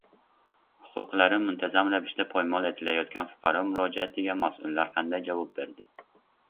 Huquqlari muntazam ravishda poymol etilayotgan fuqaro murojaatiga mas`ullar qanday javob berdi?